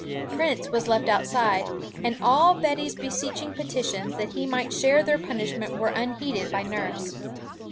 Prince was left outside; and all Betty's beseeching petitions that he might share their punishment were unheeded by nurse.